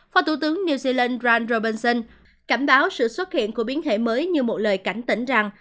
phó tủ tướng new zealand ron robinson cảnh báo sự xuất hiện của biến thể mới như một lời cảnh tỉnh rằng